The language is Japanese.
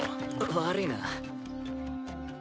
悪いな。